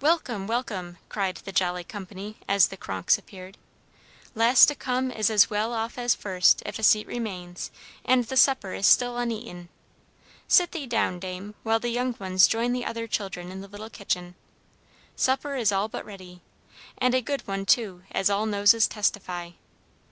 "Welcome, welcome!" cried the jolly company as the Kronks appeared. "Last to come is as well off as first, if a seat remains, and the supper is still uneaten. Sit thee down, Dame, while the young ones join the other children in the little kitchen. Supper is all but ready, and a good one too, as all noses testify.